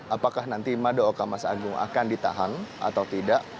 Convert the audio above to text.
apakah nanti madaoka mas agung akan ditahan atau tidak